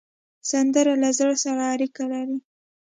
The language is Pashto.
سندره له زړه سره اړیکه لري